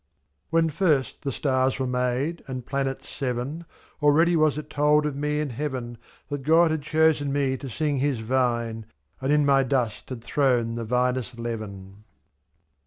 When first the stars were made and planets seven, Already was it told of me in Heaven ^^''.That God had chosen me to sing His Vine, And in my dust had thrown the vinous leaven.